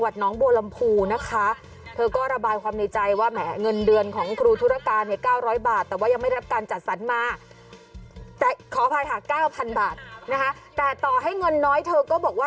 สนุกก็ว่ารักในอาชีพครูนั่นแหละ